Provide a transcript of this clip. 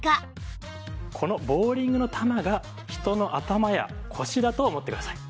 このボウリングの球が人の頭や腰だと思ってください。